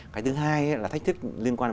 cái thứ hai là thách thức liên quan